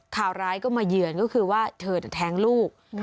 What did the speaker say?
ข่าวร้ายก็มาเยือนก็คือว่าเธอแท้งลูก